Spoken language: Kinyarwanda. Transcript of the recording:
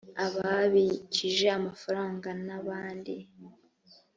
ababikije amafaranga n abandi